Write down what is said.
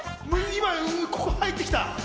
今、ここ入ってきた！